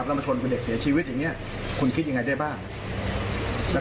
ต้องคุณเป็นเด็กเสียชีวิตอย่างนี้คุณคิดยังไงสิบห้า